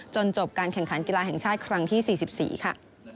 จบการแข่งขันกีฬาแห่งชาติครั้งที่๔๔ค่ะ